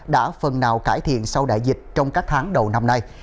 đã phần nào cải thiện sau đại dịch trong các tháng đầu năm nay